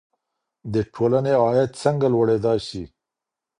د ټولني عاید څنګه لوړېدای سي؟